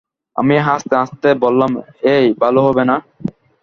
আমি হাসতে-হাসতে বললাম-এ্যাই, ভালো হবে না।